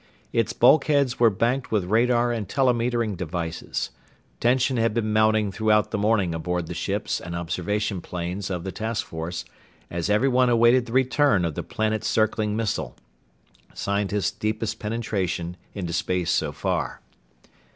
Its bulkheads were banked with radar and telemetering devices. Tension had been mounting throughout the morning aboard the ships and observation planes of the task force as everyone awaited the return of the planet circling missile scientists' deepest penetration into space so far.